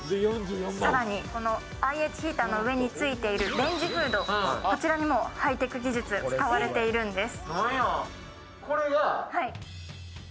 更に、ＩＨヒーターの上についているレンジフードこちらにもハイテク技術が使われているんです。